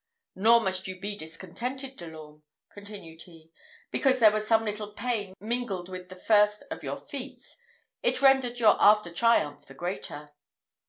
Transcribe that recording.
"Nor must you be discontented, De l'Orme," continued he, "because there was some little pain mingled with the first of your feats: it rendered your after triumph the greater."